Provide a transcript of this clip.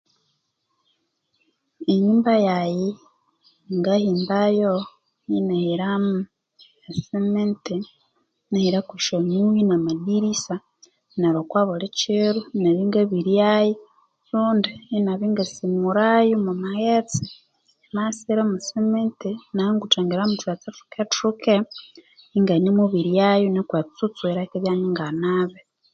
Enyumba yaghe ngahimbayo inahiramo esiminti inahirako esyonyuyi namadirisa neryo okwa bulikido inabya ingabiryayo rundi ingasimurayo omu maghtse yamabya isiyiri mwa siminti inabya inguthangirirayo mwothughetse thukethuke inganemubiryayo nuko etsutsu yireke eribya nyinganabe